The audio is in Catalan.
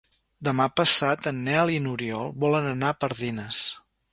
Demà passat en Nel i n'Oriol volen anar a Pardines.